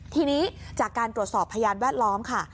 ทีนี้จากการตรวจสอบพยานแวดล้อมค่ะ